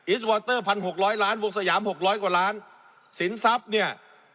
อิสเวอร์เตอร์๑๖๐๐ล้านวงสยาม๖๐๐กว่าล้านสินทรัพย์เนี่ย